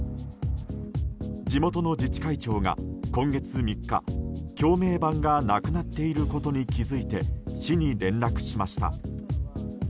地元の自治会長が今月３日橋名板がなくなっていることに気づいて市に連絡しました。